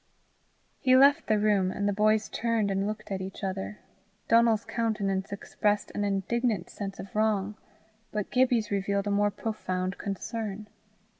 He left the room, and the boys turned and looked at each other. Donal's countenance expressed an indignant sense of wrong, but Gibbie's revealed a more profound concern.